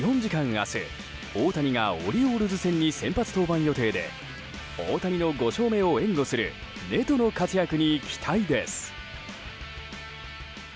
明日、大谷がオリオールズ戦に先発登板予定で大谷の５勝目を援護するネトの活躍に期待です。